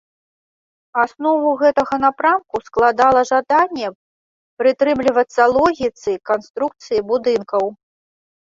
Аснову гэтага напрамку складала жаданне прытрымлівацца логіцы канструкцыі будынкаў.